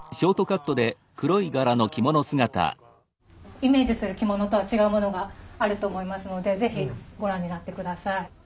イメージする着物とは違うものがあると思いますのでぜひご覧になって下さい。